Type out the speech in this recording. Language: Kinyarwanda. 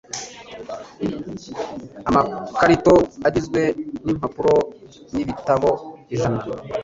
amakarito agizwe n impapuro n ibitabo ijana